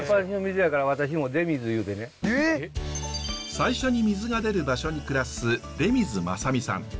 最初に水が出る場所に暮らす出水政巳さん。